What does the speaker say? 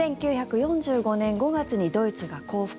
１９４５年５月にドイツが降伏。